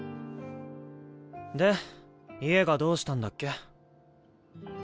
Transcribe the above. で家がどうしたんだっけ？